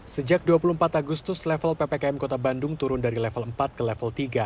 sejak dua puluh empat agustus level ppkm kota bandung turun dari level empat ke level tiga